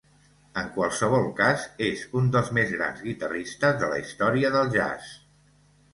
En qualsevol cas, és un dels més grans guitarristes de la història del jazz.